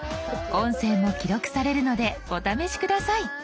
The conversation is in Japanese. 音声も記録されるのでお試し下さい。